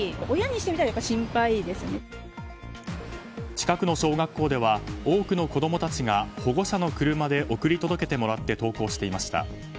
近くの小学校では多くの子供たちが保護者の車で送り届けてもらって登校していました。